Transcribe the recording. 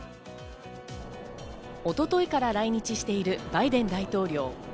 一昨日から来日しているバイデン大統領。